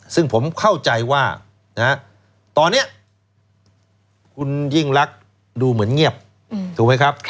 ซึ่งผมเข้าใจว่าตอนนี้คุณยิ่งรักดูเหมือนเงียบถูกไหมครับ